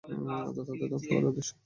অর্থাৎ তাদেরকে ধ্বংস করার উদ্দেশ্যে।